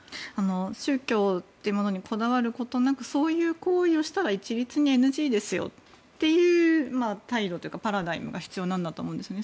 宗教というものにこだわることなくそういう行為をしたら一律にＮＧですよという態度というかパラダイムが必要だと思うんですね。